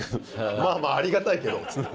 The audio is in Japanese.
「まあまあありがたいけど」っつって。